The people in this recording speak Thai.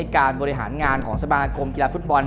การบริหารงานของสมาคมกีฬาฟุตบอล